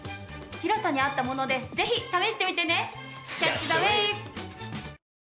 広さに合ったものでぜひ試してみてね。